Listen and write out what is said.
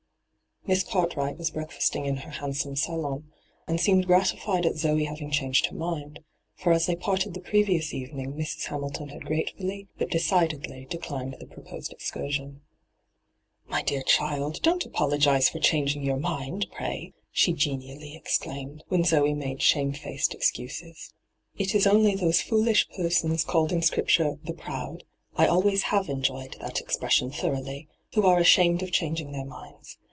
Miss Cartwright was breakfasting in her handsome salon, and seemed gratified at Zoe having changed her mind, for as they parted the previous evening Mrs. Hamilton had gratefiilly but decidedly declined the proposed excursion. * My dear child, don't apologize for changing your mind, pray I' she genially exclaimed, when Zoe made shamefaced excuses. ' It is only those foolish persons caUed in Scripture hyGoogIc ENTRAPPED 227 " the proud "— I always have enjoyed that expression thoroughly — who are ashamed of changing their minds.